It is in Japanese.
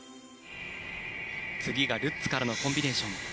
次がルッツからのコンビネーション。